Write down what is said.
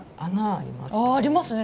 ありますね。